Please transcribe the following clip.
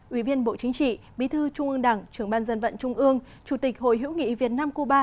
ủy viên bộ chính trị bí thư trung ương đảng trưởng ban dân vận trung ương chủ tịch hội hiểu nghị việt nam cuba